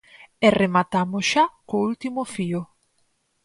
E rematamos xa co último fío.